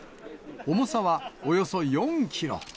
重さはおよそ４キロ。